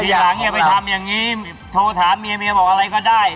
หลังอย่าไปทำอย่างนี้โทรถามเมียเมียบอกอะไรก็ได้